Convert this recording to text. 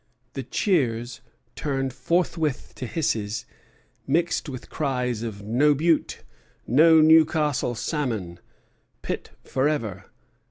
The cheers turned forthwith to hisses, mixed with cries of "No Bute!" "No Newcastle salmon!" "Pitt forever!"